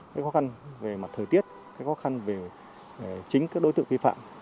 cái khó khăn về mặt thời tiết cái khó khăn về chính các đối tượng vi phạm